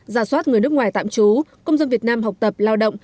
giả soát người nước ngoài tạm trú công dân việt nam học tập lao động